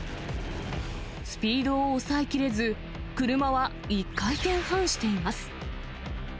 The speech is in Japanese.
スピードを抑えきれず、車は１回転半しています。